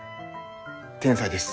天才です。